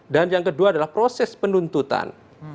dan yang kedua adalah proses penuntutan